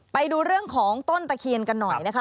ไปดูเรื่องของต้นตะเคียนกันหน่อยนะคะ